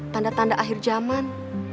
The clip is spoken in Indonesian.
tanda tanda akhir jaman